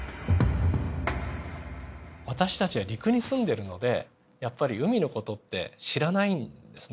私たちは陸に住んでるのでやっぱり海の事って知らないんですね。